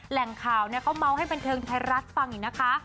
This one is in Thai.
แหล่งข่าวเขาเมาส์ให้บันเทิงไทยรัฐฟังอีกนะคะ